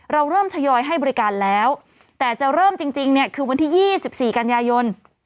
เราเริ่มทยอยให้บริการแล้วแต่จะเริ่มจริงเนี่ยคือวันที่๒๔กันยายน